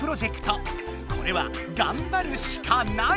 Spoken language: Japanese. これはがんばるシカない！